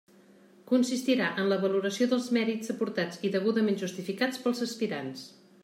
Consistirà en la valoració dels mèrits aportats i degudament justificats pels aspirants.